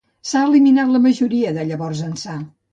S'ha eliminat la majoria de llavors ençà.